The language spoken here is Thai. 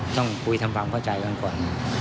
ต้องคุยทำฟังเข้าใจก่อน